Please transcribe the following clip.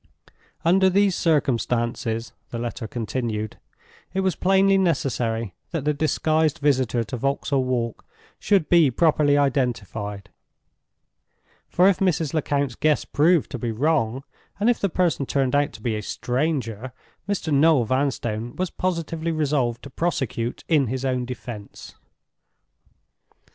Under these circumstances (the letter continued) it was plainly necessary that the disguised visitor to Vauxhall Walk should be properly identified; for if Mrs. Lecount's guess proved to be wrong, and if the person turned out to be a stranger, Mr. Noel Vanstone was positively resolved to prosecute in his own defense.